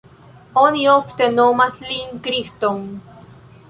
Oni ofte nomas lin Kriston.